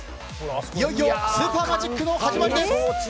いよいよスーパーマジックの始まりです。